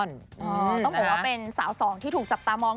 ต้องบอกว่าเป็นสาวสองที่ถูกจับตามอง